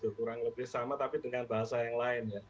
kurang lebih sama tapi dengan bahasa yang lain ya